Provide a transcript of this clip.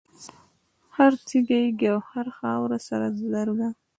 هر تیږه یې ګوهر، خاوره سره زر وه